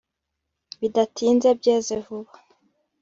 bidatinze, byeze vuba.